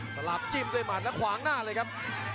สลับจิ้มด้วยหมัดแล้วขวางหน้าเลยครับ